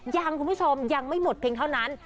คุณผู้ชมยังไม่หมดเพียงเท่านั้น